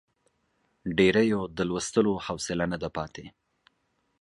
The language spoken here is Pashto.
ډېریو د لوستلو حوصله نه ده پاتې.